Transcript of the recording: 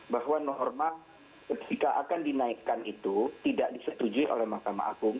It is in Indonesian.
bahwa norma ketika akan dinaikkan itu tidak disetujui oleh mahkamah agung